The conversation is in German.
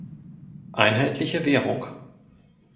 Einheitliche Währung.